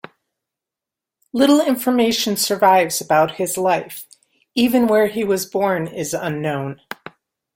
Little information survives about his life; even where he was born is unknown.